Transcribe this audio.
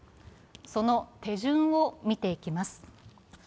その手順を見ていきます。